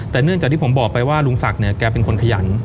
แต่เนื่องจากที่ผมบอกไปว่าลุงศักดิ์เนี่ยแกเป็นคนขยัน